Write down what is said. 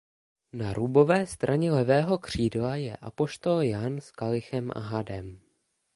Na rubové straně levého křídla je apoštol Jan s kalichem a hadem.